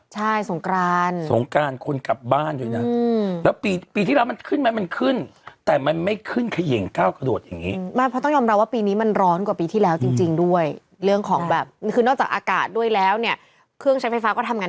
จริงอยู่ด้วยเรื่องของแบบคื้นอากาศด้วยแล้วเนี่ยเข้าใช้ไฟฟ้าก็ทำงัด